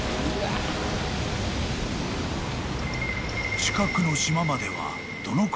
［近くの島までは］